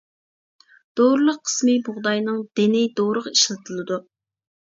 دورىلىق قىسمى بۇغداينىڭ دېنى دورىغا ئىشلىتىلىدۇ.